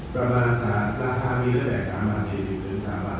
ประมาณราคามีตั้งแต่๓๔๐๓๖๐บาท